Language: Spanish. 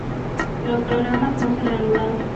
Los programas no se reanudaron.